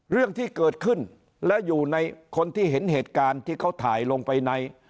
เรื่องที่เกิดขึ้นและอยู่ในคนที่เห็นเหตุการณ์ที่เขาถ่ายลงไปใน